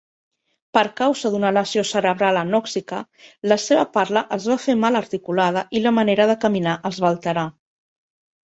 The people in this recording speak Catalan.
Per causa d'una lesió cerebral anòxica, la seva parla es va fer mal articulada i la manera de caminar es va alterar.